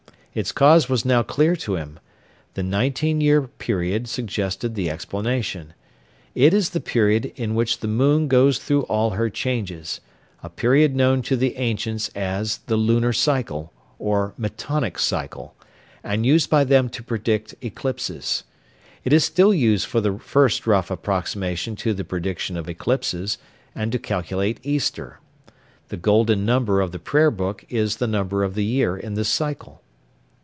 Its cause was now clear to him; the nineteen year period suggested the explanation. It is the period in which the moon goes through all her changes a period known to the ancients as the lunar cycle, or Metonic cycle, and used by them to predict eclipses. It is still used for the first rough approximation to the prediction of eclipses, and to calculate Easter. The "Golden Number" of the Prayer book is the number of the year in this cycle.